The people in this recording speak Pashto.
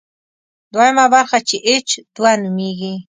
دویمه برخه چې اېچ دوه نومېږي.